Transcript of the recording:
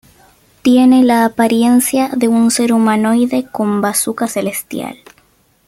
Tiene la apariencia de un ser humanoide con bazuca celestial.